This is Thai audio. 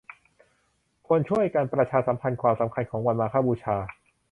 ควรช่วยกันประชาสัมพันธ์ความสำคัญของวันมาฆบูชา